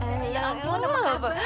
ya ampun apa kabar